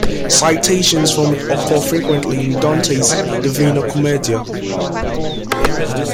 Citations from it occur frequently in Dante's "Divina Commedia".